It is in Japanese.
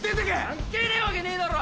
関係ねえわけねえだろ！